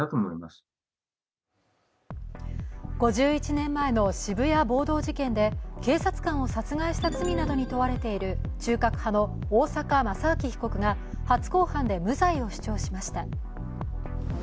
５１年前の渋谷暴動事件で警察官を殺害した罪などに問われている中核派の大坂正明被告が初公判で無罪を主張しました。